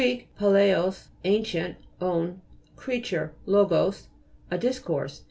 palaios, an cient, on, creature, logos, a dis course.